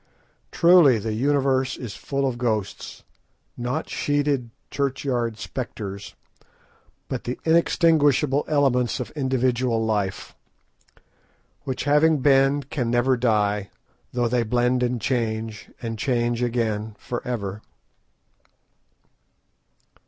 Truly the universe is full of ghosts, not sheeted churchyard spectres, but the inextinguishable elements of individual life, which having once been, can never die, though they blend and change, and change again for ever.